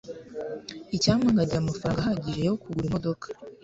icyampa nkagira amafaranga ahagije yo kugura imodoka